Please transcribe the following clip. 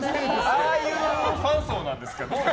ああいうファン層なんですか？